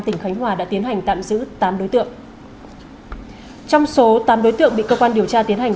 tỉnh khánh hòa đã tiến hành tạm giữ tám đối tượng trong số tám đối tượng bị cơ quan điều tra tiến hành